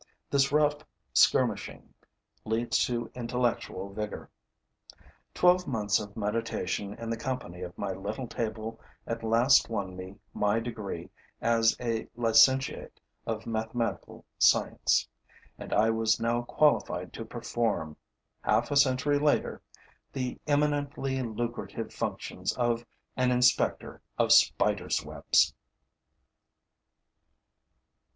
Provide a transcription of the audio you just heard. This rough skirmishing leads to intellectual vigor. Twelve months of meditation in the company of my little table at last won me my degree as a licentiate of mathematical science; and I was now qualified to perform, half a century later, the eminently lucrative functions of an inspector of Spiders' webs!